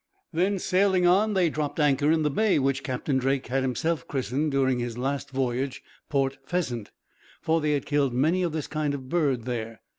Then, sailing on, they dropped anchor in the bay which Captain Drake had himself christened, during his last voyage, Port Pheasant; for they had killed many of this kind of bird there.